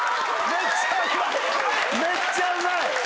めっちゃうまい！